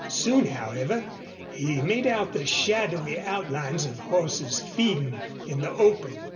Soon, however, he made out the shadowy outlines of horses feeding in the open.